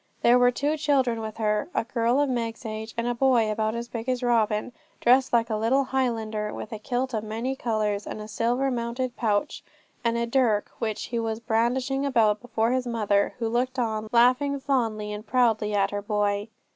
There were two children with her, a girl of Meg's age, and a boy about as big as Robin, dressed like a little Highlander, with a kilt of many colours, and a silver mounted pouch, and a dirk, which he was brandishing about before his mother, who looked on, laughing fondly and proudly at her boy.